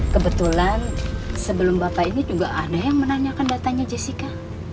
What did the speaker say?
kebetulan sebelum bapak ini juga aneh yang menanyakan datanya jessica